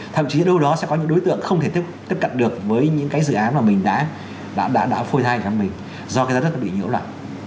thậm chí đâu đó sẽ có những đối tượng không thể tiếp cận được với những cái dự án mà mình đã phôi thai cho mình do cái giá đất bị nhiễu loạn